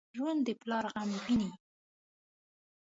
ژوندي د پلار غم ویني